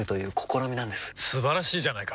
素晴らしいじゃないか！